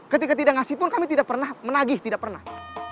ketika tidak ngasih pun kami tidak pernah menagih tidak pernah